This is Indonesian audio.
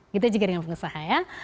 kita juga dengan pengusaha ya